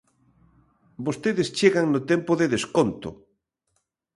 Vostedes chegan no tempo de desconto.